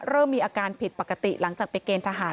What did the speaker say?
เริ่มมีอาการผิดปกติหลังจากไปเกณฑหาร